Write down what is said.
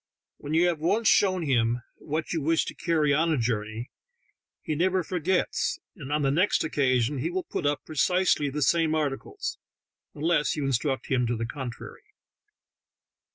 When you have once shown him what you wish to carry on a journey, he never forgets, and on the next occasion he will put up precisely the same articles, unless you instruct him to the contrary.